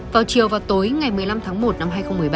vào chiều và tối ngày một mươi năm tháng một năm hai nghìn một mươi ba